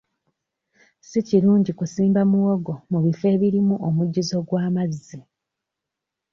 Si kirungi kusimba muwogo mu bifo ebirimu omujjuzo gw'amazzi.